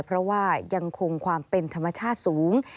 เพราะว่ายังคงความเป็นธรรมชาติสูง